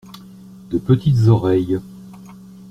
De petites oreilles.